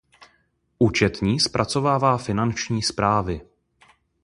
Účetní zpracovává finanční zprávy.